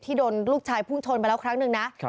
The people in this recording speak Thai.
โดนลูกชายพุ่งชนไปแล้วครั้งหนึ่งนะ